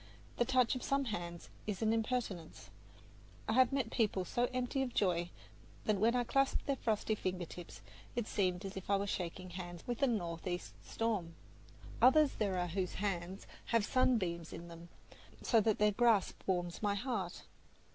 The touch of some hands is an impertinence. I have met people so empty of joy, that when I clasped their frosty finger tips, it seemed as if I were shaking hands with a northeast storm. Others there are whose hands have sunbeams in them, so that their grasp warms my heart.